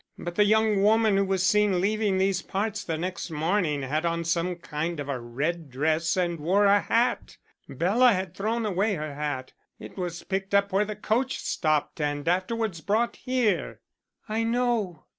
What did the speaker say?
But the young woman who was seen leaving these parts the next morning had on some kind of a red dress and wore a hat. Bela had thrown away her hat; it was picked up where the coach stopped and afterwards brought here." "I know.